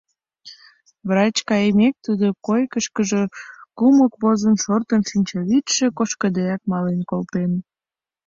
Врач кайымек, тудо койкышкыжо кумык возын шортын, шинчавӱдшӧ кошкыдеак мален колтен.